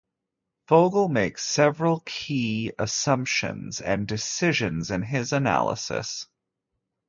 Fogel makes several key assumptions and decisions in his analysis.